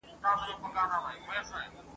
پوهېدی چي نور د نوي کور مقیم سو !.